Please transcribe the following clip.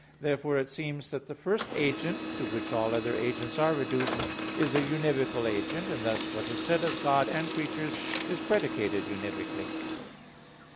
Therefore it seems that the first agent to which all other agents are reduced, is an univocal agent: and thus what is said of God and creatures, is predicated univocally.